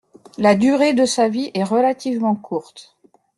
La durée de sa vie est relativement courte.